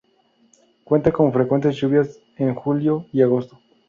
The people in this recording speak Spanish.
Cuenta con frecuentes lluvias en julio y agosto.